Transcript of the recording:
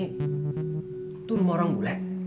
itu rumah orang bule